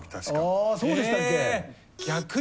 あそうでしたっけ？